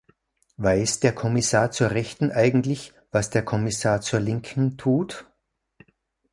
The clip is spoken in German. Weiß der Kommissar zur Rechten eigentlich, was der Kommissar zur Linken tut?